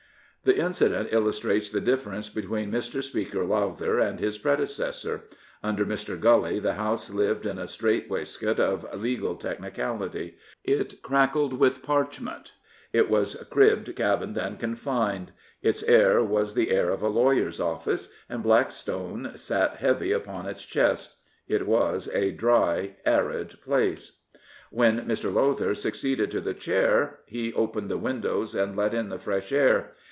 The incident illustrates the difference between Mr. Speaker Lowther and his predecessor. Under Mr. Gully the House lived in a strait waistcoat of legal technicality. It crackled with parchment. It was " cribbed, cabin'd, and confin'd." Its air was the air of a lawyer's ofl&ce, and Blackstone sat heavy upon its chest. It was a dry, and place, r When Mr. Lowther succeeded to the Chair, he opened the windows and let in the fresh air.